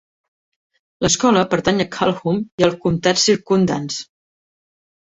L'escola pertany a Calhoun i als comtats circumdants.